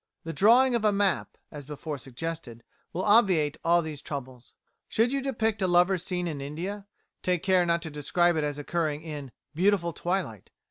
The drawing of a map, as before suggested, will obviate all these troubles. Should you depict a lover's scene in India, take care not to describe it as occurring in "beautiful twilight."